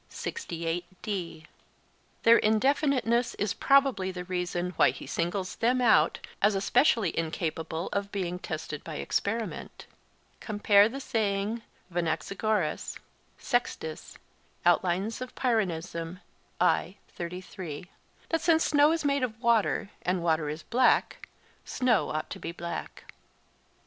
Their indefiniteness is probably the reason why he singles them out, as especially incapable of being tested by experiment. (Compare the saying of Anaxagoras—Sext. Pyrrh.—that since snow is made of water and water is black, snow ought to be black.)